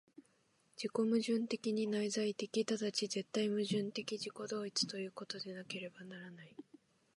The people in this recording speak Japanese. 自己矛盾的に内在的、即ち絶対矛盾的自己同一ということでなければならない。